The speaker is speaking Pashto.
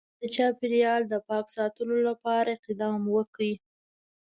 د چاپیریال د پاک ساتلو لپاره اقدام وکړي